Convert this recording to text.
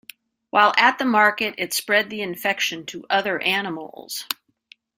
While at the market it spread the infection to other animals.